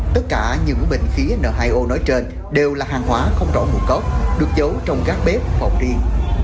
tất cả những bệnh khí n hai o nói trên đều là hàng hóa không rõ mù cốc được giấu trong gác bếp phòng riêng